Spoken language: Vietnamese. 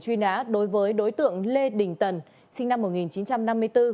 truy nã đối với đối tượng lê đình tần sinh năm một nghìn chín trăm năm mươi bốn